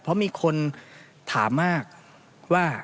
เพราะมีคนถามมากว่า